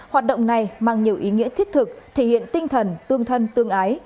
hoạt động này mang nhiều ý nghĩa thiết thực thể hiện tinh thần tương thân tương ái